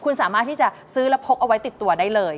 คุณสามารถที่จะซื้อแล้วพกเอาไว้ติดตัวได้เลย